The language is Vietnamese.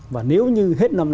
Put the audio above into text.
và nếu như hết năm năm